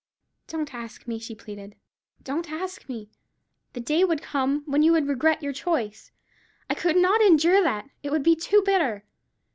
"Don't ask me," she pleaded; "don't ask me. The day would come when you would regret your choice. I could not endure that. It would be too bitter.